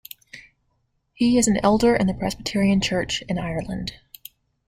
He is an elder in the Presbyterian Church in Ireland.